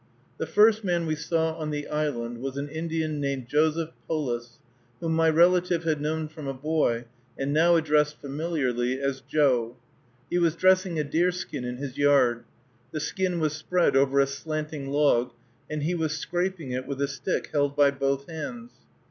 The first man we saw on the island was an Indian named Joseph Polis, whom my relative had known from a boy, and now addressed familiarly as "Joe." He was dressing a deer skin in his yard. The skin was spread over a slanting log, and he was scraping it with a stick held by both hands.